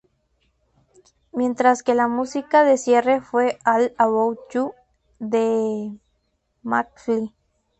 Mientras que la música de cierre fue "All About You" de Mcfly.